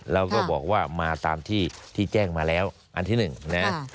แล้วก็บอกว่ามาตามที่แจ้งมาแล้วอันที่หนึ่งนะ